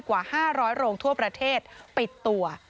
กว่า๕๐๐โรงทั่วประเทศปิดตัว